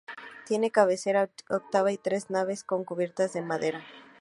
Tiene cabecera ochavada y tres naves con cubierta de madera.